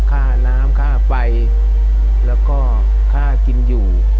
ค่าน้ำค่าไฟแล้วก็ค่ากินอยู่